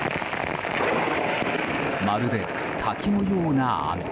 まるで滝のような雨。